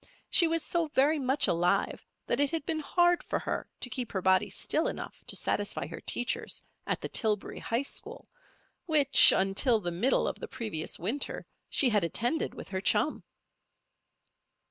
She was so very much alive that it had been hard for her to keep her body still enough to satisfy her teachers at the Tillbury High School which, until the middle of the previous winter, she had attended with her chum.